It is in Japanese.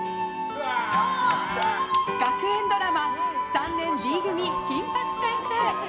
学園ドラマ「３年Ｂ組金八先生」。